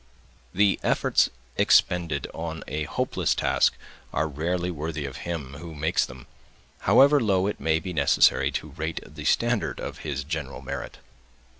The efforts expended on a hopeless task are rarely worthy of him who makes them, however low it may be necessary to rate the standard of his general merit.